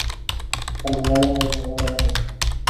中国国民党向来在乡镇市长选举占有优势。